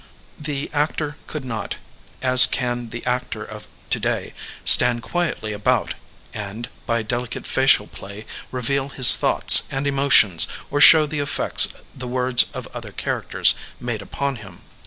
The actor could not, as can the actor of to day, stand quietly about and, by delicate facial play, reveal his ttioughts and emotions or show the effects the words of other char acters made upon him.